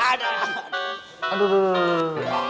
aduh aduh aduh aduh